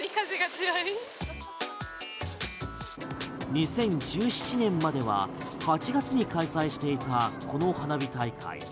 ２０１７年までは８月に開催していたこの花火大会。